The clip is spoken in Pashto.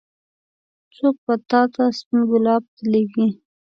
څوک به تا ته سپين ګلاب درلېږي.